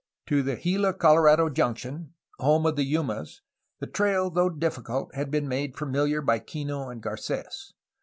"To the Gila Colorado junction, home of the Yumas, the trail, though difficult, had been made familiar by Kino and Garces.